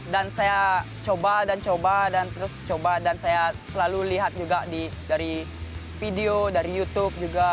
dan saya coba dan coba dan terus coba dan saya selalu lihat juga dari video dari youtube juga